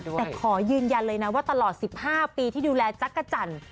แต่ขอยืนยันเลยนะว่าตลอด๑๕ปีที่ดูแลจักรจันทร์